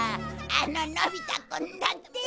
あののび太くんだって